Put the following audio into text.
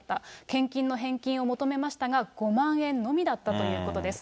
献金の返金を求めましたが、５万円のみだったということです。